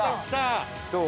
どう？